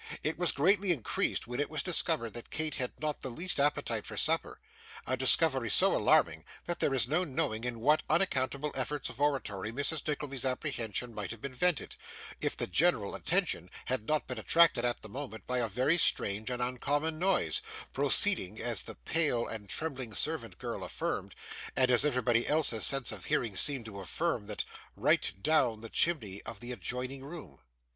It was greatly increased when it was discovered that Kate had not the least appetite for supper: a discovery so alarming that there is no knowing in what unaccountable efforts of oratory Mrs. Nickleby's apprehensions might have been vented, if the general attention had not been attracted, at the moment, by a very strange and uncommon noise, proceeding, as the pale and trembling servant girl affirmed, and as everybody's sense of hearing seemed to affirm also, 'right down' the chimney of the adjoining room.